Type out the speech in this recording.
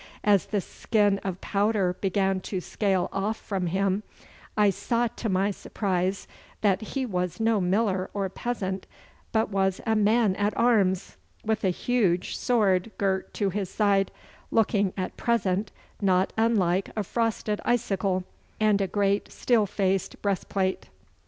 As the skin of powder began to scale off from him, I saw to my surprise that he was no miller or peasant, but was a man at arms, with a huge sword girt to his side, looking at present not unlike a frosted icicle, and a great steel faced breastplate.